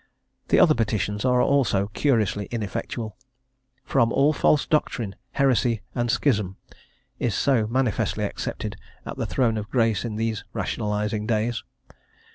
The other petitions are also curiously ineffectual: "from all false doctrine, heresy, and schism," is so manifestly accepted at the Throne of Grace in these rationalising days.